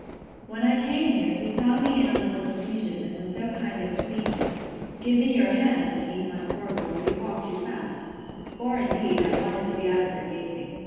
When I came near, he saw me in a little confusion, and was so kind as to meet me: Give me your hand, said he, my poor girl; you walk too fast, (for, indeed, I wanted to be out of their gazing).